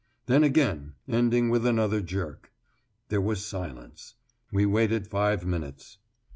Then again, ending with another jerk. There was a silence. We waited five minutes.